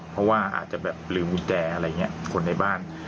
เพราะว่าอาจจะแบบลืมกุญแจอะไรอย่างนี้คนในบ้าน